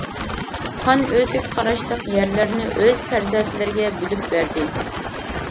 خان ئۆزىگە قاراشلىق يەرلەرنى ئۆز پەرزەنتلىرىگە بۆلۈپ بەردى.